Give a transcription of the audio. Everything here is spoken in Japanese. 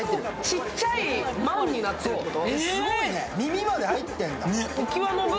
ちっちゃい、まんになってるってこと？